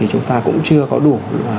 chúng ta cũng chưa có đủ